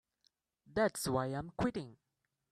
That's why I'm quitting.